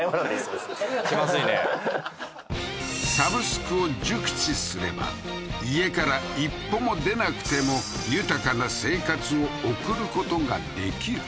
別に気まずいねサブスクを熟知すれば家から１歩も出なくても豊かな生活を送ることができる？